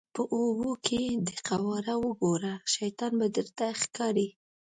په اوبو کې دې قواره وګوره شیطان به درته ښکاري.